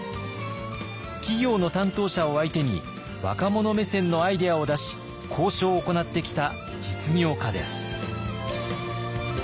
企業の担当者を相手に若者目線のアイデアを出し交渉を行ってきた実業家です。